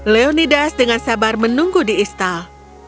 leonidas dengan sabar menunggu di istal